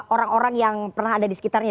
orang orang yang pernah ada di sekitarnya